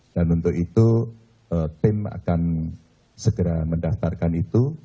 dan untuk itu tim akan segera mendaftarkan itu